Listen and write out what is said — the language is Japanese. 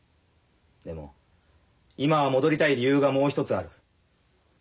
でも今は戻りたい理由がもう一つある。